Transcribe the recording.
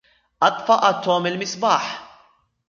أطفئ توم المصابيح.